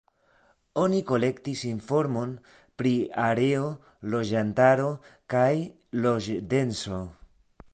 Oni kolektis informon pri areo, loĝantaro kaj loĝdenso.